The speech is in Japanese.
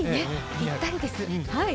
ぴったりです。